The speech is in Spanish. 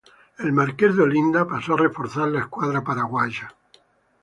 El "Marques de Olinda" pasó a reforzar la escuadra paraguaya.